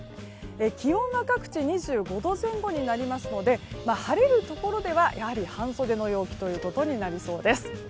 気温は各地２５度前後になりますので晴れるところでは半袖の陽気となりそうです。